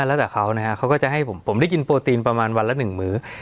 แล้วแต่เขานะฮะเขาก็จะให้ผมได้กินโปรตีนประมาณวันละ๑มื้อ